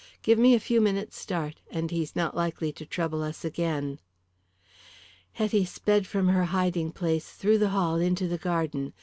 Give me a few minutes' start, and he's not likely to trouble us again." Hetty sped from her hiding place through the hall into the garden.